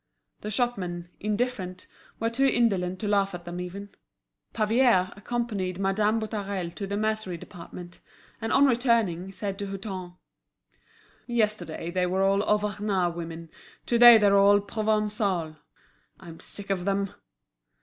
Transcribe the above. The shopmen, indifferent, were too indolent to laugh at them even. Pavier accompanied Madame Boutarel to the mercery department, and on returning, said to Hutin: "Yesterday they were all Auvergnat women, to day they're all Provençales. I'm sick of them."